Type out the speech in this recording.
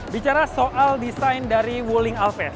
bicara soal desain dari wuling alves